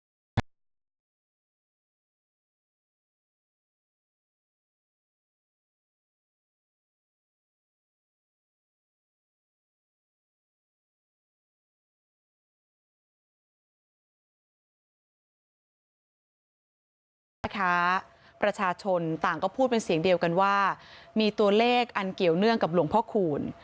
มีตัวเลขอันเกี่ยวเรื่องกับหลวงพ่อคุณคุณค่ะประชาชนต่างก็พูดเป็นเสียงเดียวกันว่ามีตัวเลขอันเกี่ยวเรื่องกับหลวงพ่อคุณค่ะ